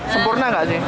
seburna nggak sih